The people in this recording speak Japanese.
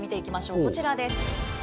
こちらです。